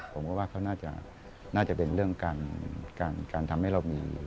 ผมก็ว่าเขาน่าจะเป็นเรื่องการทำให้เรามี